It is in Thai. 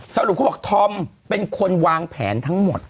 สรุปเขาบอกธอมเป็นคนวางแผนทั้งหมด